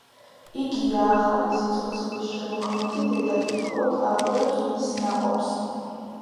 იგია ახალი სიცოცხლის შემოქმედი, დედა კი მხოლოდ აღვივებს მის ნაყოფს.